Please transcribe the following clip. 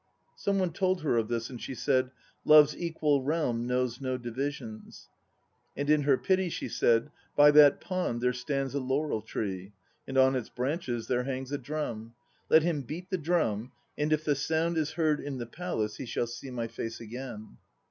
Some one told her of this, and she said, "Love's equal realm knows no divisions," x and in her pity she said, "By that pond there stands a laurel tree, and on its branches there hangs a drum. Let him beat the drum, and if the sound is heard in the Palace, he shall see my face again."